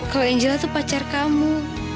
kalau angela tuh pacar kamu